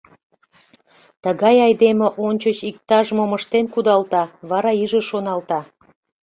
Тыгай айдеме ончыч иктаж-мом ыштен кудалта, вара иже шоналта.